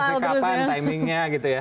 tidak ada pencapaian timingnya gitu ya